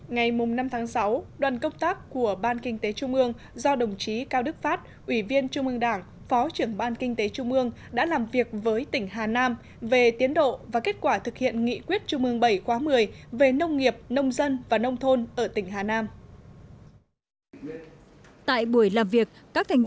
ngày năm tháng sáu đoàn công tác của ban kinh tế trung ương do đồng chí cao đức phát ủy viên trung ương đảng phó trưởng ban kinh tế trung ương đã làm việc với tỉnh hà nam về tiến độ và kết quả thực hiện nghị quyết trung ương bảy khóa một mươi về nông nghiệp nông dân và nông thôn ở tỉnh hà nam